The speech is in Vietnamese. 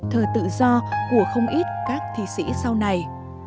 thờ tự do của không ít các thi sĩ sau này